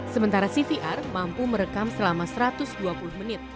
sementara cvr mampu merekam selama satu ratus dua puluh menit